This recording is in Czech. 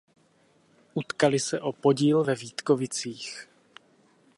Utkali se o podíl ve Vítkovicích.